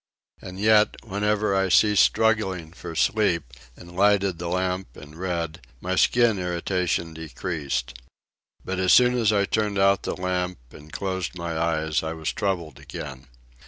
And yet, whenever I ceased struggling for sleep, and lighted the lamp and read, my skin irritation decreased. But as soon as I turned out the lamp and closed my eyes I was troubled again.